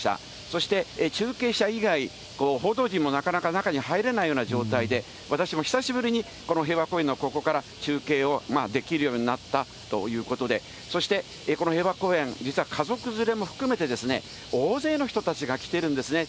そして中継車以外、報道陣もなかなか中に入れないような状態で、私も久しぶりにこの平和公園のここから中継をできるようになったということで、そしてこの平和公園、実は家族連れも含めて、大勢の人たちが来ているんですね。